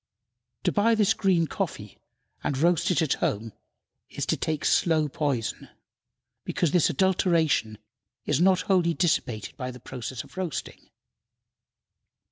To buy this green coffee and roast it at home is to take slow poison, because this adulteration is not wholly dissipated by the process of roasting.